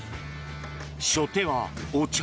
初手はお茶。